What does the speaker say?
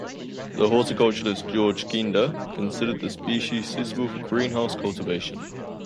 The horticulturist George Schneider considered the species suitable for greenhouse cultivation.